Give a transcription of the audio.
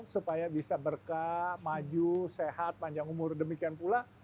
supaya bisa berkah maju sehat panjang umur demikian pula